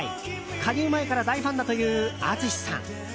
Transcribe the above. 加入前から大ファンだというＡＴＳＵＳＨＩさん。